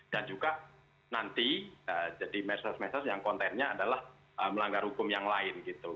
dan juga nanti jadi medsos medsos yang kontennya adalah melanggar hukum yang lain gitu